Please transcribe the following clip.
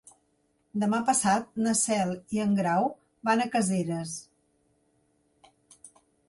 Demà passat na Cel i en Grau van a Caseres.